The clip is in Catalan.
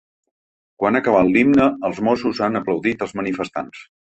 Quan ha acabat l’himne els mossos han aplaudit els manifestants.